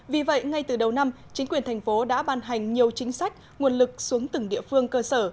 vì vậy ngay từ đầu năm chính quyền thành phố đã ban hành nhiều chính sách nguồn lực xuống từng địa phương cơ sở